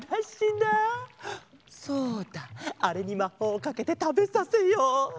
あれにまほうをかけてたべさせよう。